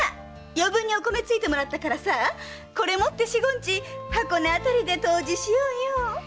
余分にお米搗いてもらったからさあこれ持って四五日箱根あたりで湯治しようよ。